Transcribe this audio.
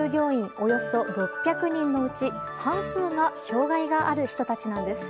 およそ６００人のうち半数が障害がある人たちなんです。